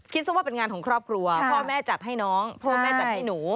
ซะว่าเป็นงานของครอบครัวพ่อแม่จัดให้น้องพ่อแม่จัดให้หนู